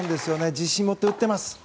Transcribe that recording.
自信を持って打っています。